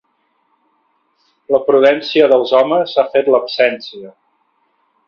La prudència dels homes ha fet l'absència.